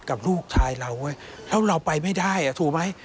กับลูกชายเราแล้วเราไปไม่ได้อ่ะถูกไหม